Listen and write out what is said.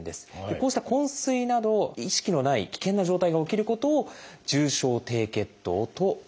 こうした昏睡など意識のない危険な状態が起きることを「重症低血糖」といいます。